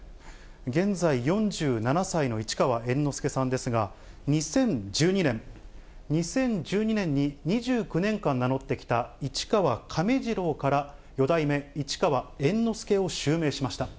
現在、４７歳の市川猿之助さんですが、２０１２年、２０１２年に２９年間名乗ってきた市川亀治郎から四代目市川猿之助を襲名しました。